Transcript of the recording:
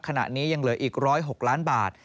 ขณะนี้ยังเหลืออีก๑๐๖ล้านบาท